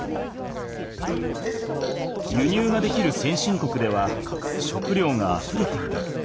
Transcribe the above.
輸入ができる先進国では食料があふれている。